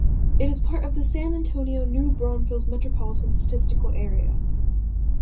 It is part of the San Antonio-New Braunfels Metropolitan Statistical Area.